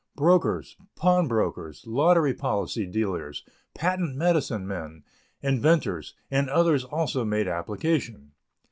Brokers, pawnbrokers, lottery policy dealers, patent medicine men, inventors, and others also made application.